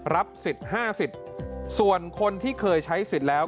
รับสิทธิ์๕๐ส่วนคนที่เคยใช้สิทธิ์แล้ว